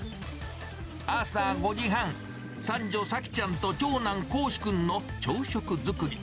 朝５時半、三女、幸ちゃんと長男、幸志くんの朝食作り。